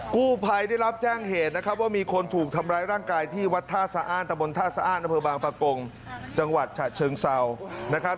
กู้ไพได้รับแจ้งเหตุนะครับว่ามีคนถูกถัมร้ายร่างกายที่วัตถ้าสะอาดตมนต์ธะสะอาดนบฟกงจังหวัดฉะเชิงเศร้านะครับ